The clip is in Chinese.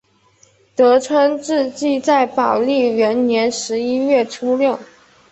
德川治济在宝历元年十一月初六。